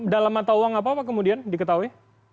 dalam mata uang apa apa kemudian diketahui